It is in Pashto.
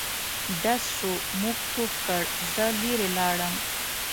ډز شو موږ ټوپ کړ زه لیري لاړم.